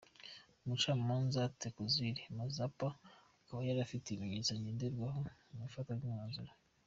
Umucamanza Thokozile Mazapa akaba yari afite ibimenyetso ngenderwaho mu ifatwa ry’umwanzuro.